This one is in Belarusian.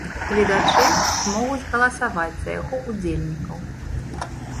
Гледачы змогуць галасаваць за яго ўдзельнікаў.